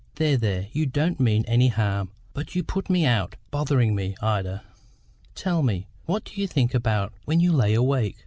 There, there; you don't mean any harm, but you put me out, bothering me, Ida. Tell me, what do you think about when you lay awake?